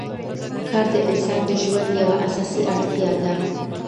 کار د انسان د ژوند یوه اساسي اړتیا ده